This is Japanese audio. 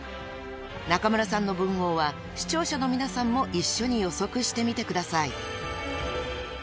［中村さんの文豪は視聴者の皆さんも一緒に予測してみてください］